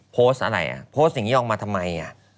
โพสต์อะไรเพราะงี้ออกมาทำไม